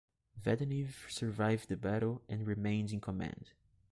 Vedeneev survived the battle and remained in command.